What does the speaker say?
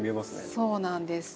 そうなんです。